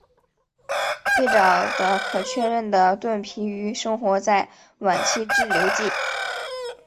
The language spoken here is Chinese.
最早的可确认的盾皮鱼生活在晚期志留纪。